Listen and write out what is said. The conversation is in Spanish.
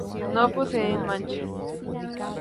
No poseen manchas.